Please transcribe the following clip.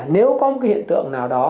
nếu có một hiện tượng nào đó